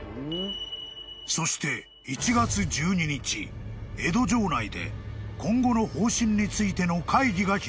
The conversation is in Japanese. ［そして１月１２日江戸城内で今後の方針についての会議が開かれた］